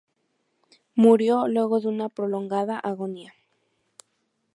Murió luego de una prolongada agonía.